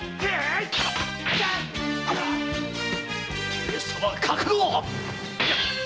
上様覚悟！